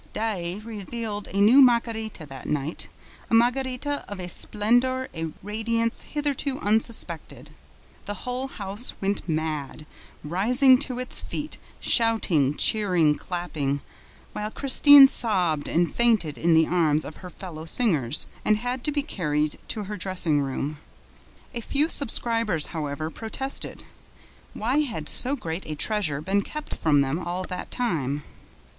Daae revealed a new Margarita that night, a Margarita of a splendor, a radiance hitherto unsuspected. The whole house went mad, rising to its feet, shouting, cheering, clapping, while Christine sobbed and fainted in the arms of her fellow singers and had to be carried to her dressing room. A few subscribers, however, protested. Why had so great a treasure been kept from them all that time?